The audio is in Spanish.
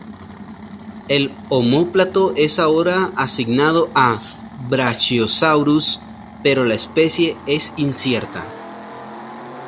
El omóplato es ahora asignado a "Brachiosaurus", pero la especie es incierta.